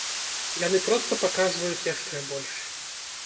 Яны проста паказваюць яшчэ больш.